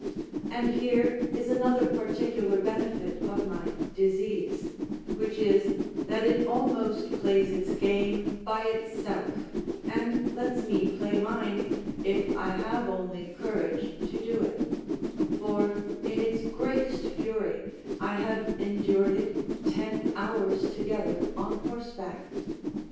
And here is another particular benefit of my disease; which is, that it almost plays its game by itself, and lets 'me play mine, if I have only courage to do it; for, in its greatest fury, I have endured it ten hours together on horseback.